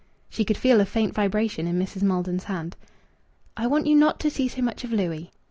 She could feel a faint vibration in Mrs. Maldon's hand. "I want you not to see so much of Louis."